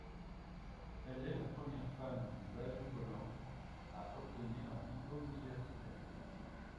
Elle est la première femme du Basutoland à obtenir un diplôme universitaire.